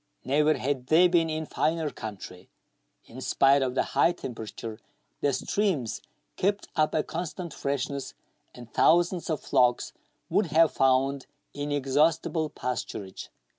Never had they been in finer country. In spite of the high temperature, the streams kept up a constant freshness, and thousands ot flocks would have found inexhaustible pasturage.